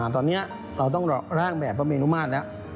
ตอนนี้เราต้องแต้วล่างแบบพระโนริมาตรเนี่ย